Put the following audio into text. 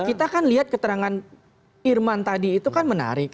kita kan lihat keterangan irman tadi itu kan menarik